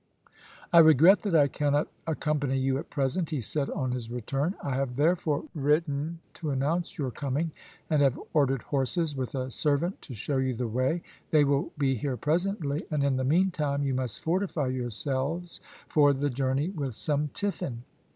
"I regret that I cannot accompany you at present," he said, on his return; "I have therefore written to announce your coming, and have ordered horses, with a servant to show you the way. They will be here presently, and in the meantime you must fortify yourselves for the journey with some tiffin."